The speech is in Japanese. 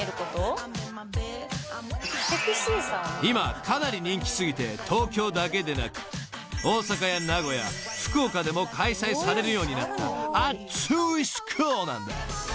［今かなり人気過ぎて東京だけでなく大阪や名古屋福岡でも開催されるようになった熱いスクールなんです］